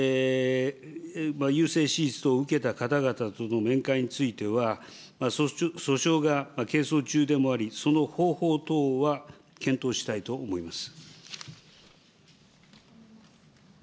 優生手術等を受けた方々との面会については、訴訟が係争中でもあり、その方法等は検討したいと思います。